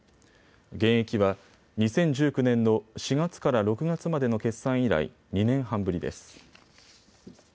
減益は、２０１９年の４月から６月までの決算以来、２年半ぶりです。